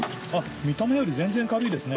見た目より全然軽いですね。